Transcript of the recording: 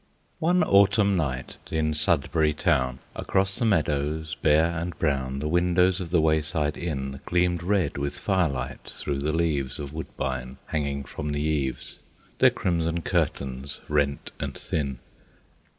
One Autumn night, in Sudbury town, Across the meadows bare and brown, The windows of the wayside inn Gleamed red with fire light through the leaves Of woodbine, hanging from the eaves Their crimson curtains rent and thin.